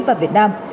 và việt nam